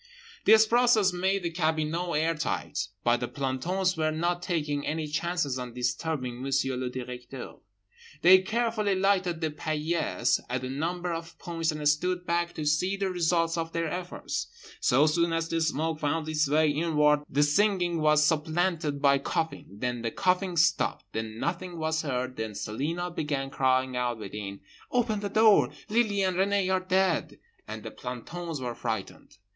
This process made the cabinot air tight. But the plantons were not taking any chances on disturbing Monsieur le Directeur. They carefully lighted the paillasse at a number of points and stood back to see the results of their efforts. So soon as the smoke found its way inward the singing was supplanted by coughing; then the coughing stopped. Then nothing was heard. Then Celina began crying out within—"Open the door, Lily and Renée are dead"—and the plantons were frightened.